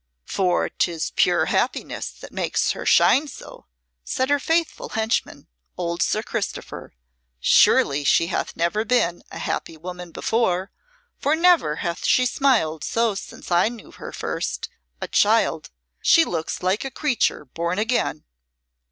"For 'tis pure happiness that makes her shine so," said her faithful henchman, old Sir Christopher. "Surely she hath never been a happy woman before, for never hath she smiled so since I knew her first, a child. She looks like a creature born again."